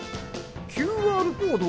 ＱＲコード？